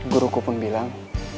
guruku pun bilang